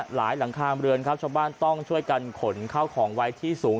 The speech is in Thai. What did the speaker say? หลังคาเรือนครับชาวบ้านต้องช่วยกันขนเข้าของไว้ที่สูง